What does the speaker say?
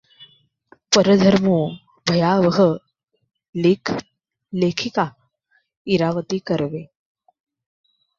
परधर्मो भयावहः लेख, लेखिका इरावती कर्वे